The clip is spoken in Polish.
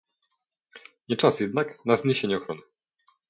Nie czas jednak na zniesienie ochrony